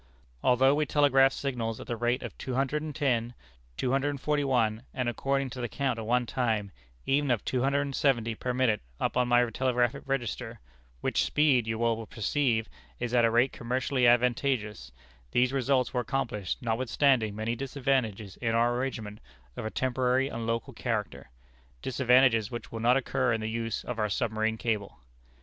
"Although we telegraphed signals at the rate of two hundred and ten, two hundred and forty one, and, according to the count at one time, even of two hundred and seventy per minute upon my telegraphic register, (which speed, you will perceive, is at a rate commercially advantageous,) these results were accomplished notwithstanding many disadvantages in our arrangements of a temporary and local character disadvantages which will not occur in the use of our submarine cable.